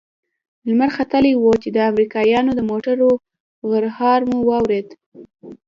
لمر ختلى و چې د امريکايانو د موټرو غرهار مو واورېد.